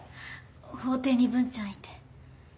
法廷に文ちゃんいて。